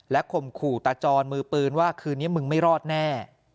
ข่มขู่ตาจรมือปืนว่าคืนนี้มึงไม่รอดแน่